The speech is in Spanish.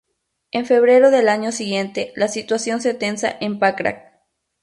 En febrero del año siguiente la situación se tensa en Pakrac.